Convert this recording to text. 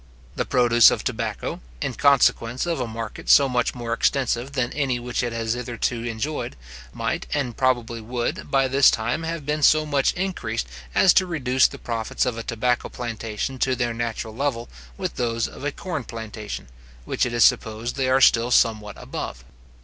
The produce of tobacco, in consequence of a market so much more extensive than any which it has hitherto enjoyed, might, and probably would, by this time have been so much increased as to reduce the profits of a tobacco plantation to their natural level with those of a corn plantation, which it is supposed they are still somewhat above.